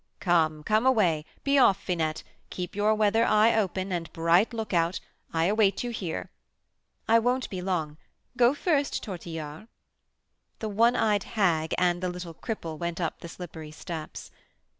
"Come, come away! be off, Finette! Keep your weather eye open, and bright lookout. I await you here." "I won't be long. Go first, Tortillard." The one eyed hag and the little cripple went up the slippery steps.